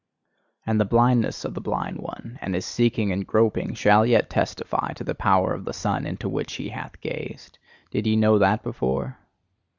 And the blindness of the blind one, and his seeking and groping, shall yet testify to the power of the sun into which he hath gazed, did ye know that before?